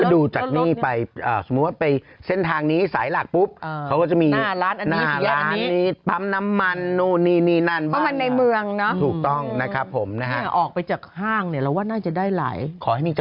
ได้ครับเป็นเวลายังไงใช่มันหลังพอแสนทางข้ามจังหวัดได้เลยนี่นะ